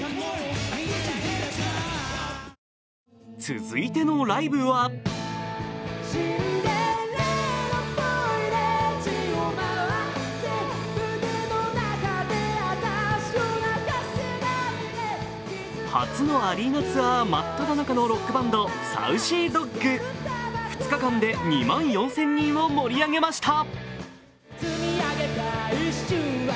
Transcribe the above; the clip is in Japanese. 続いてのライブは初のアリーナツアーまっただ中のロックバンド・ＳａｕｃｙＤｏｇ、２日間で２万４０００人を盛り上げました。